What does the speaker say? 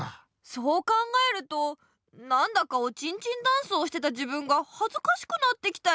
そう考えるとなんだかおちんちんダンスをしてた自分がはずかしくなってきたよ。